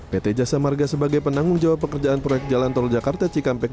pt jasa marga sebagai penanggung jawab pekerjaan proyek jalan tol jakarta cikampek